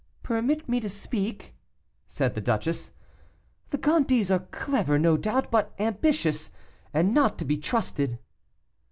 "Permit me to speak," said the duchess. "The Gondys are clever, no doubt, but ambitious, and not to be trusted."